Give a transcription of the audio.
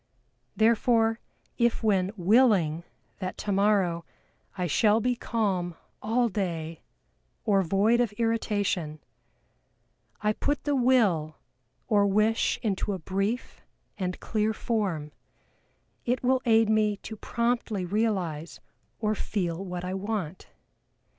Therefore if when willing that tomorrow I shall be calm all day or void of irritation, I put the will or wish into a brief and clear form, it will aid me to promptly realize or feel what I want.